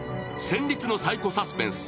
戦慄のサイコサスペンス